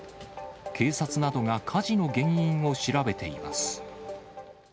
警察などが火事の原因を調べています。